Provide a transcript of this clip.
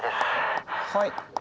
はい。